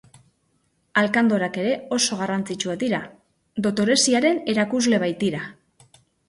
Alkandorak ere oso garrantzitsuak dira, dotoreziaren erakusle baitira.